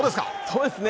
そうですね。